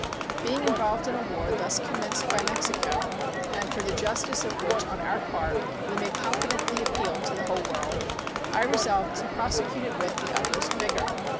Being involved in a war thus commenced by Mexico, and for the justice of which on our part we may confidently appeal to the whole world, I resolved to prosecute it with the utmost vigor.